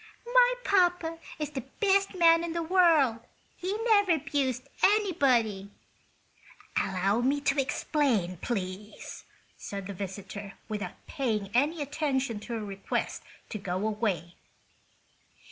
"My papa is the best man in the world. He never 'bused anybody!" "Allow me to explain, please," said the visitor, without paying any attention to her request to go away.